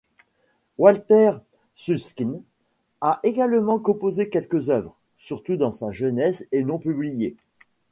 Walter Susskind a également composé quelques œuvres, surtout dans sa jeunesse et non publiées.